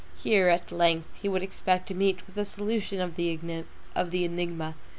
Here, at length, he would expect to meet with a solution of the enigma.